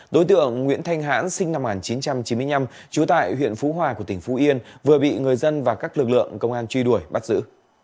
đối tượng nguyễn thanh hãn sinh năm một nghìn chín trăm chín mươi năm trú tại huyện phú hòa của tỉnh phú yên vừa bị người dân và các lực lượng công an truy đuổi bắt giữ